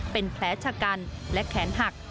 เป็นแผลชะกันและแขนหัก